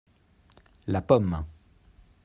La pomme.